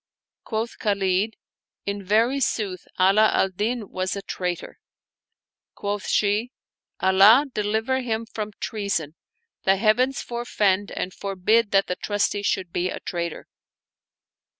Quoth Khalid, "In very sooth Ala al Din was a traitor." Quoth she, " Allah deliver him from treason ! the heavens forfend and forbid that the ' Trusty ' should be a traitor